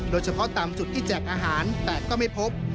โดยเฉพาะตามจุดที่แจกอาหารแต่ก็ไม่พบ